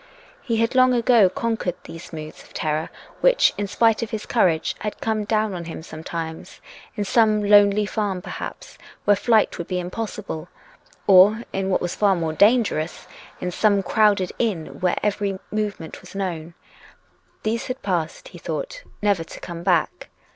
He had long ago conquered those moods of terror which, in spite of his courage, had come down on him sometimes, in some lonely farm, perhaps, where flight would be impossible — or, in what was far more dangerous, in some crowded inn where every movement was known — these had passed, he thought, never to come back. 380 COME RACK!